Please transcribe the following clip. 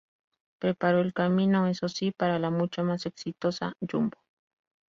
Preparó el camino, eso sí, para la mucha más exitosa "Yumbo".